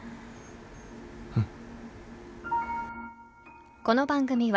うん。